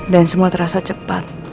dan semua terasa cepat